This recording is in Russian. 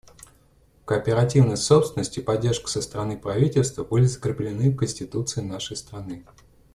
Кооперативная собственность и поддержка со стороны правительства были закреплены в Конституции нашей страны.